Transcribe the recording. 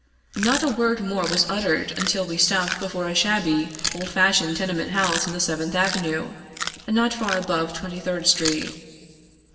Not a word more was uttered until we stopped before a shabby, old fashioned tenement house in the Seventh Avenue, not far above Twenty third Street.